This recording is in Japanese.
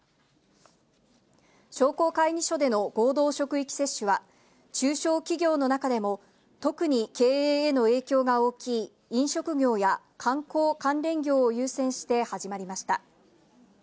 商工会議所での合同職域接種は、中小企業の中でも特に経営への影響が大きい飲食業や観光関連業を優先して始まりました。